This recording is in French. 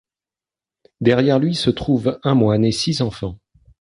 Derrière lui se trouvent un moine et six enfants.